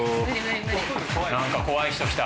なんか怖い人来た。